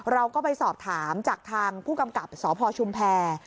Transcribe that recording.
เราก็ไปสอบถามจากทางผู้กำกับสพชุมแพร